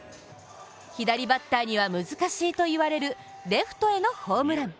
左バッターには難しいといわれるレフトへのホームラン。